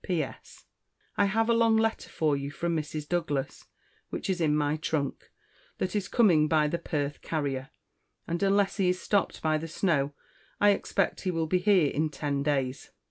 "P.S. I have a long letter for you from Mrs. Douglas, which is in my Trunk, that is Coming by the Perth Carrier, and unless he is stopped by the Snow, I Expect he will be here in ten days."